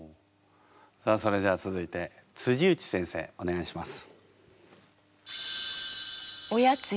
さあそれでは続いて内先生お願いします。